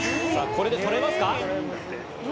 これで取れますか？